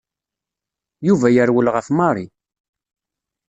Yuba yerwel ɣef Mary.